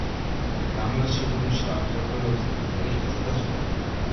დამლაშებულ მშრალ ფერდობებზე, რიყეზე და სხვა.